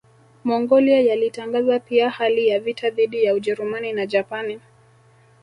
Mongolia yalitangaza pia hali ya vita dhidi ya Ujerumani na Japani